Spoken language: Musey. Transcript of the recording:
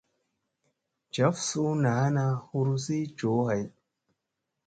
Jaf suu naana hurusi joohay.